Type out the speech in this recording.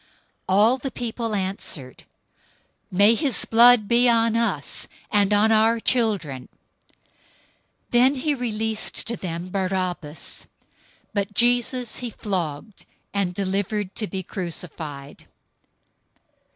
027:025 All the people answered, "May his blood be on us, and on our children!" 027:026 Then he released to them Barabbas, but Jesus he flogged and delivered to be crucified.